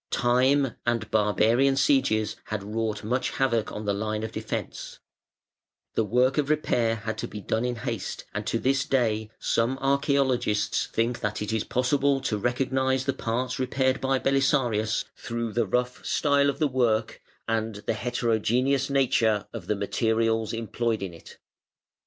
Time and barbarian sieges had wrought much havoc on the line of defence, the work of repair had to be done in haste, and to this day some archaeologists think that it is possible to recognise the parts repaired by Belisarius through the rough style of the work and the heterogeneous nature of the materials employed in it.